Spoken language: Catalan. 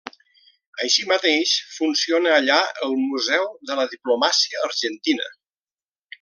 Així mateix funciona allà el Museu de la Diplomàcia Argentina.